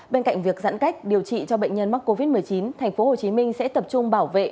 bên cạnh việc giãn cách điều trị cho bệnh nhân mắc covid một mươi chín tp hcm sẽ tập trung bảo vệ